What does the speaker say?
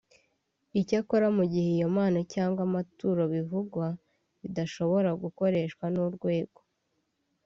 Icyakora mu gihe iyo mpano cyangwa amaturo bivugwa bidashobora gukoreshwa n’urwego